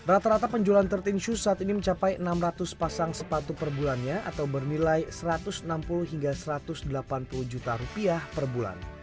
rata rata penjualan tiga belas shoes saat ini mencapai enam ratus pasang sepatu per bulannya atau bernilai rp satu ratus enam puluh hingga satu ratus delapan puluh juta rupiah per bulan